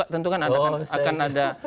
tentu kan akan ada